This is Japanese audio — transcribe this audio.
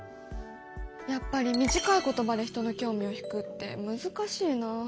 やっぱり短いことばで人の興味をひくって難しいなあ。